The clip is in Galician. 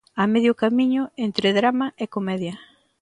A medio camiño entre drama e comedia.